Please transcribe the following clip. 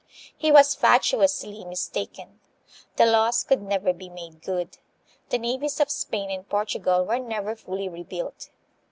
He was fatu ously mistaken. The loss could never be made good. The navies of Spain and Portugal were never fully rebuilt.